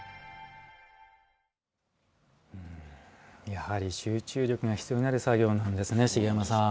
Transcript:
やはり集中力が必要になる作業なんですね。